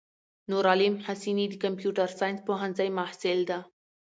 نورعالم حسیني دکمپیوټر ساینس پوهنځی محصل ده.